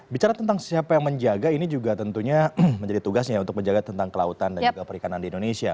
bicara tentang siapa yang menjaga ini juga tentunya menjadi tugasnya untuk menjaga tentang kelautan dan juga perikanan di indonesia